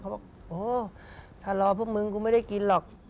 บอกโอ้ถ้ารอพวกมึงกูไม่ได้กินหรอก